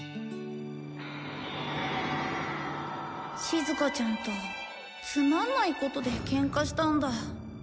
しずかちゃんとつまんないことでケンカしたんだ。